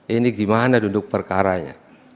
ini gimana duduk perkaranya